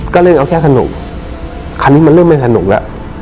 ก็เล่นเอาแค่ขนุกครั้งนี้มันเริ่มเป็นขนุกแล้ว